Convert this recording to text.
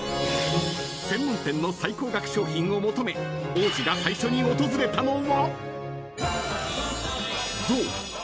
［専門店の最高額商品を求め王子が最初に訪れたのは］